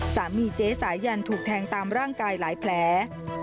เจ๊สายันถูกแทงตามร่างกายหลายแผล